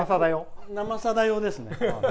「生さだ」用ですね。